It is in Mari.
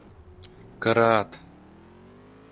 Кырат!..